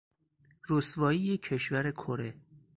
رسوایی کشور کره